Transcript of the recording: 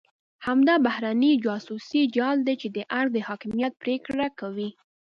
همدا بهرنی جاسوسي جال دی چې د ارګ د حاکمیت پرېکړه کوي.